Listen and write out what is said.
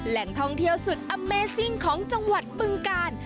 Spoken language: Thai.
แหล่งท่องเที่ยวสุดอเมซิ่งของจังหวัดบึงกาล